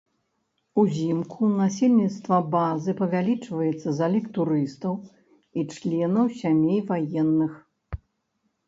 Узімку насельніцтва базы павялічваецца за лік турыстаў і членаў сямей ваенных.